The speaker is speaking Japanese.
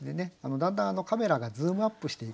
だんだんカメラがズームアップしていく感じですね。